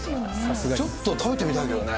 ちょっと食べてみたいけどね。